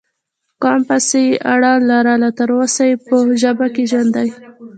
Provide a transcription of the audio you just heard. قوم پسې یې اړه لرله، تر اوسه یې په ژبه کې ژوندی